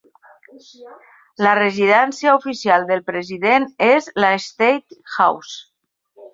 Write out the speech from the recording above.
La residència oficial del president és la State House.